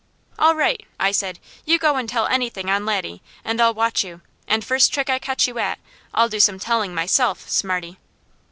"All right," I said. "You go and tell anything on Laddie, and I'll watch you, and first trick I catch you at, I'll do some telling myself, Smarty."